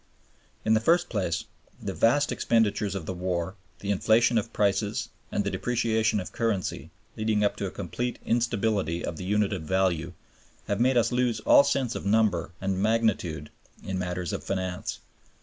In the first place, the vast expenditures of the war, the inflation of prices, and the depreciation of currency, leading up to a complete instability of the unit of value, have made us lose all sense of number and magnitude in matters of finance.